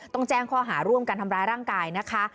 ต้องแจ้งข้อหาร่วมกันทำร้ายร่างกายนะคะ